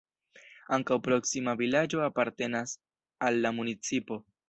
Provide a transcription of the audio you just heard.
Ankaŭ proksima vilaĝo apartenas al la municipo.